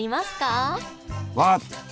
分かった！